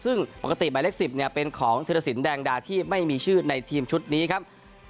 ซึ่งปกติหมายเลข๑๐เนี่ยเป็นของธิรสินแดงดาที่ไม่มีชื่อในทีมชุดนี้ครับ